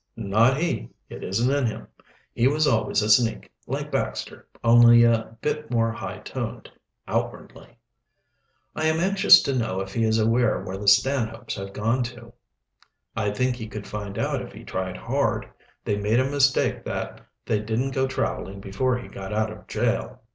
"Not he; it isn't in him. He was always a sneak, like Baxter, only a bit more high toned, outwardly." "I am anxious to know if he is aware where the Stanhopes have gone to?" "I think he could find out if he tried hard. They made a mistake that they didn't go traveling before he got out of jail."